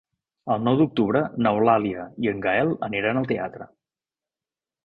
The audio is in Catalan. El nou d'octubre n'Eulàlia i en Gaël aniran al teatre.